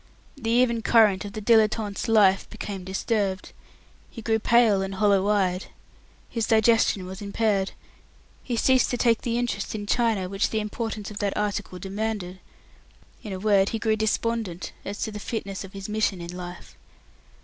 The even current of the dilettante's life became disturbed. He grew pale and hollow eyed. His digestion was impaired. He ceased to take the interest in china which the importance of that article demanded. In a word, he grew despondent as to his fitness for his mission in life.